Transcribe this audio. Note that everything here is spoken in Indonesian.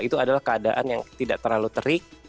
itu adalah keadaan yang tidak terlalu terik